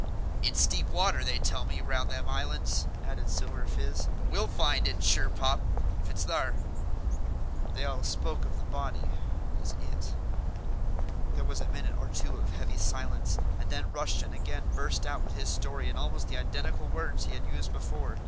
"It's deep water, they tell me, round them islands," added Silver Fizz; "but we'll find it, sure pop, if it's thar." They all spoke of the body as "it." There was a minute or two of heavy silence, and then Rushton again burst out with his story in almost the identical words he had used before.